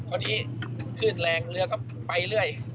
อันนี้ขึ้นแรงเรือก็ไปเรื่อย